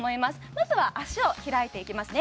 まずは脚を開いていきますね